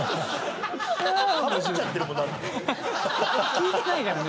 聞いてないからね